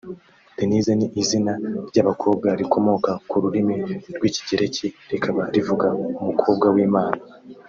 Denise ni izina ry’abakobwa rikomoka ku rurimi rw’Ikigereki rikaba rivuga “Umukobwa w’Imana”